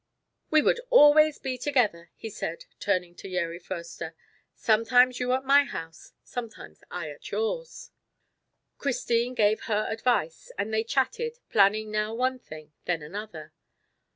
"We would always be together," he said turning to Yeri Foerster, "sometimes you at my house, sometimes I at yours." Christine gave her advice, and they chatted, planning now one thing, then another.